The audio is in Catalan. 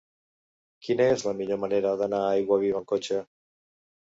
Quina és la millor manera d'anar a Aiguaviva amb cotxe?